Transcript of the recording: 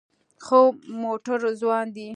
ښه مټور ځوان دی.